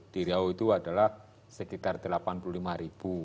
di riau itu adalah sekitar delapan puluh lima ribu